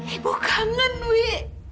ibu kangen wi